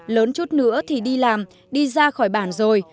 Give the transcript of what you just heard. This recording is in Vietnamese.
lớn chút nữa thì đi làm đi ra khỏi bản rồi